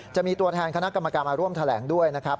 จะมีตัวแทนคณะกรรมการมาร่วมแถลงด้วยนะครับ